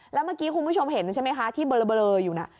แล้วเมื่อกี้คุณผู้ชมเห็นใช่ไหมคะที่เบลออยู่น่ะ